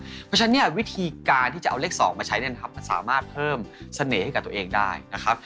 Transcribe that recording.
เพราะฉะนั้นเนี่ยวิธีการที่จะเอาเลข๒มาใช้เนี่ยนะครับมันสามารถเพิ่มเสน่ห์ให้กับตัวเองได้นะครับ